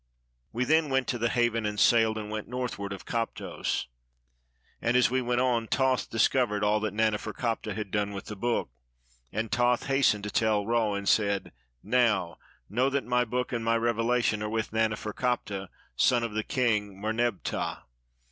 We then 52 THE MAGIC BOOK went to the haven and sailed, and went northward of Koptos, And as we went on, Thoth discovered all that Naneferkaptah had done with the book; and Thoth hastened to tell Ra, and said, " Now, know that my book and my revelation are with Naneferkaptah, son of the King Mernebptah.